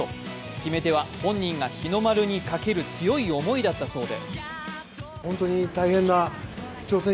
決め手は、本人が日の丸にかける強い思いだったそうで。